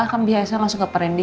kan biasanya langsung ke perendi